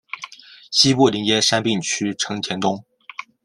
西部邻接杉并区成田东。